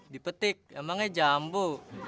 dipetik emangnya jambu